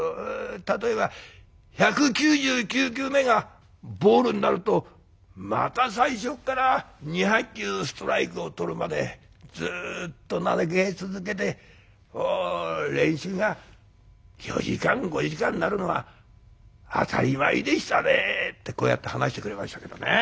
例えば１９９球目がボールになるとまた最初っから２００球ストライクをとるまでずっと投げ続けて練習が４時間５時間なるのは当たり前でしたね」ってこうやって話してくれましたけどね。